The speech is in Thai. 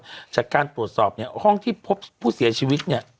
เอ้ยในจัดการโผสอบห้องที่พบผู้เสียชิวิต